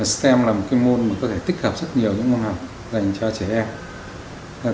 stem là một cái môn mà có thể tích hợp rất nhiều những môn học dành cho trẻ em